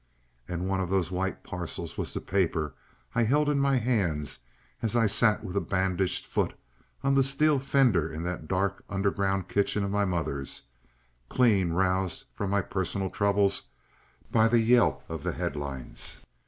... And one of those white parcels was the paper I held in my hands, as I sat with a bandaged foot on the steel fender in that dark underground kitchen of my mother's, clean roused from my personal troubles by the yelp of the headlines.